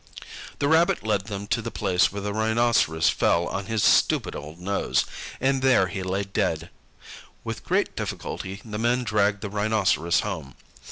The Rabbit led them to the place where the Rhinoceros fell on his stupid old nose, and there he lay dead. With great difficulty the men dragged the Rhinoceros home.